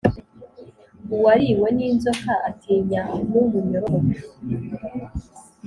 Uwariwe n’inzoka atinya n’umunyorogoto.